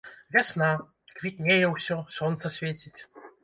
Вясна, квітнее ўсё, сонца свеціць.